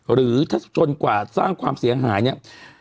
หรือถ้าจนกว่าสร้างความเสียหายเนี่ย